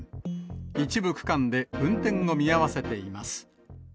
一部区間で運転を見合わせています。